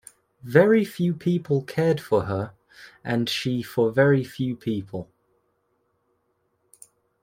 Very few people cared for her, and she for very few people.